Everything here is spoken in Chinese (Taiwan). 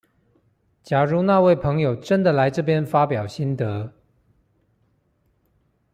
假如那位朋友真的來這邊發表心得